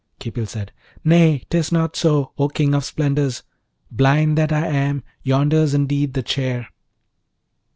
Khipil said, 'Nay, 'tis not so, O King of splendours! blind that I am! yonder's indeed the chair.'